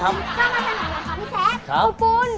เข้ามาทางไหนแล้วครับพี่แซค